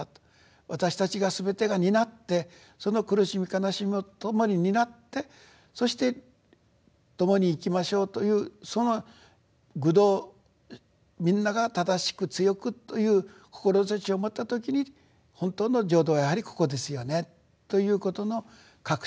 私たちがすべてが担ってその苦しみ悲しみも共に担ってそして共に生きましょうというその求道みんなが正しく強くという志を持った時に本当の浄土はやはりここですよねということの確信が得られるという。